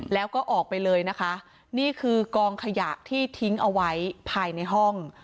แล้วก็ออกไปเลยนะคะนี่คือกองขยะที่ทิ้งเอาไว้ภายในห้อง